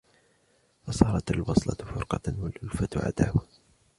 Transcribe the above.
فَصَارَتْ الْوَصْلَةُ فُرْقَةً وَالْأُلْفَةُ عَدَاوَةً